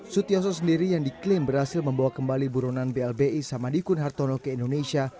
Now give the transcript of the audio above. sutioso sendiri yang diklaim berhasil membawa kembali buronan blbi samadikun hartono ke indonesia